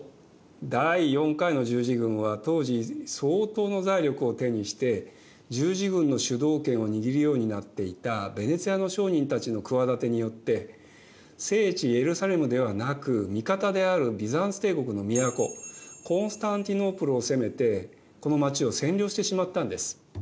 第４回の十字軍は当時相当の財力を手にして十字軍の主導権を握るようになっていたヴェネツィアの商人たちの企てによって聖地エルサレムではなく味方であるビザンツ帝国の都コンスタンティノープルを攻めてこの街を占領してしまったんです。